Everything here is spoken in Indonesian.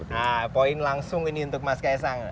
nah poin langsung ini untuk mas kaisang